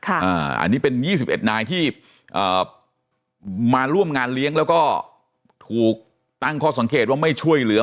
อันนี้เป็น๒๑นายที่มาร่วมงานเลี้ยงแล้วก็ถูกตั้งข้อสังเกตว่าไม่ช่วยเหลือ